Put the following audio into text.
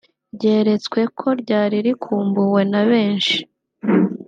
ryeretswe ko ryari rikumbuwe na benshi